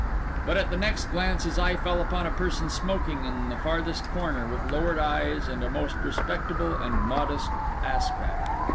But at the next glance his eye fell upon a person smoking in the farthest corner, with lowered eyes and a most respectable and modest aspect.